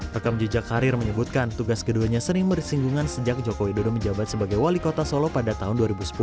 rekam jejak karir menyebutkan tugas keduanya sering bersinggungan sejak jokowi dodo menjabat sebagai wali kota solo pada tahun dua ribu sepuluh